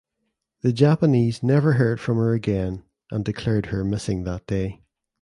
The Japanese never heard from her again and declared her missing that day.